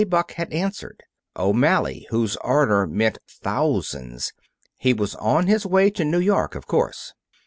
Buck had answered; O'Malley, whose order meant thousands. He was on his way to New York, of course.